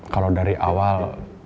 kalau dari awal